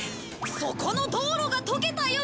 「そこの道路が溶けたよ。